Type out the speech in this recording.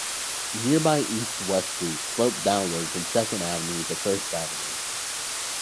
Nearby East-west streets slope downward from Second Avenue to First Avenue.